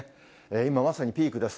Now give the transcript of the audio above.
今まさにピークです。